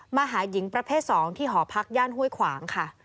มาหาหญิงประเภท๒ที่หอพักย่านห้วยขวางค่ะ